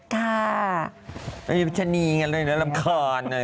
เตะเหมือนพิชาโนีงอะไรค่ะตลมคลอน